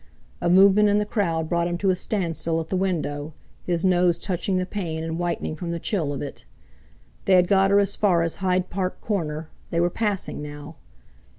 A movement in the crowd brought him to a standstill at the window, his nose touching the pane and whitening from the chill of it. They had got her as far as Hyde Park Corner—they were passing now!